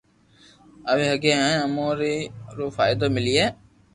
آوي ھگي ھين امو ني اي رو فائدو ملئي